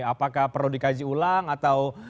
apakah perlu dikaji ulang atau